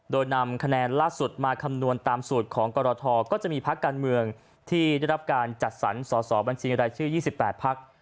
โดยนำขนาดล่าสุดมาคำนวณตามส่วนของกโกรทที่ได้รับการจัดสรรสสบัญชีรายชื่อ๒๘พัก